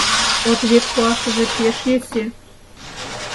Ответ пуашыже пеш йӧсӧ.